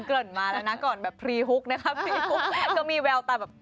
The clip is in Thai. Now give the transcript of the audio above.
คุณลักษพรมีคู่แข่งอ่ะ